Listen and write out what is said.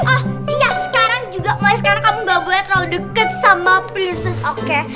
oh iya sekarang juga mulai sekarang kamu gak boleh terlalu deket sama prinses oke